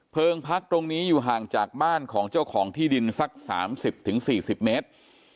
พักตรงนี้อยู่ห่างจากบ้านของเจ้าของที่ดินสัก๓๐๔๐เมตร